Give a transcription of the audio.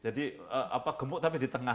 jadi gemuk tapi di tengah